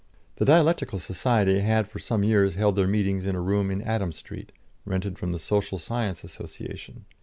The Dialectical Society had for some years held their meetings in a room in Adam Street, rented from the Social Science Association.